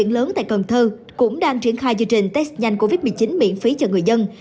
lớn tại cần thơ cũng đang triển khai chương trình test nhanh covid một mươi chín miễn phí cho người dân